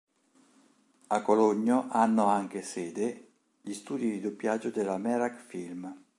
A Cologno hanno anche sede gli studi di doppiaggio della Merak Film.